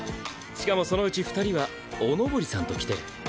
しかもそのうち２人はお上りさんときてる。